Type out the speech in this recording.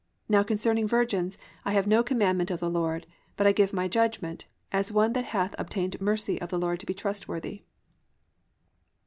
... Now concerning virgins, I have no commandment of the Lord, but I give my judgment, as one that hath obtained mercy of the Lord to be trustworthy."